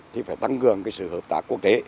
thì phải tăng cường sự hợp tác quốc tế